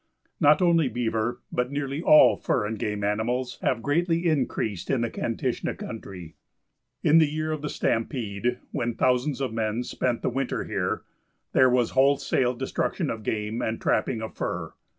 Not only beaver, but nearly all fur and game animals have greatly increased in the Kantishna country. In the year of the stampede, when thousands of men spent the winter here, there was wholesale destruction of game and trapping of fur.